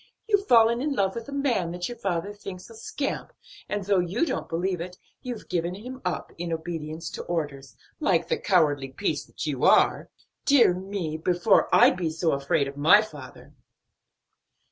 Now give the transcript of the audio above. You've fallen in love with a man that your father thinks is a scamp and though you don't believe it, you've given him up, in obedience to orders, like the cowardly piece that you are. Dear me, before I'd be so afraid of my father!"